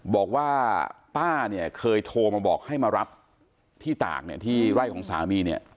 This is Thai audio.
บอกว่าป้าเนี่ยเคยโทรมาบอกให้มารับที่ตากเนี่ยที่ไร่ของสามีเนี่ย